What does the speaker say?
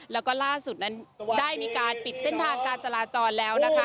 แล้วก็ล่าสุดนั้นได้มีการปิดเส้นทางการจราจรแล้วนะคะ